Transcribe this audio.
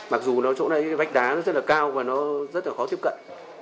mặc dù nó chỗ này vách đá nó rất là cao và nó rất là khó tiếp cận